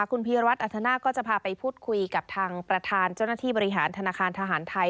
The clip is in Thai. คุณพีรวัตรอัธนาคก็จะพาไปพูดคุยกับทางประธานเจ้าหน้าที่บริหารธนาคารทหารไทย